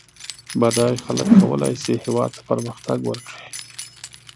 بډای خلک کولای سي هېواد ته پرمختګ ورکړي